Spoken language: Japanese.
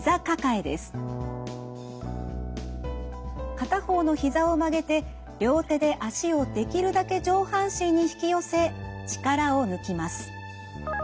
片方のひざを曲げて両手で脚をできるだけ上半身に引き寄せ力を抜きます。